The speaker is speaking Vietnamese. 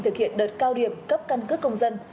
thực hiện đợt cao điểm cấp căn cước công dân